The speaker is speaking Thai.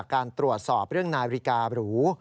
การตรวจสอบเรื่องนาฬิการู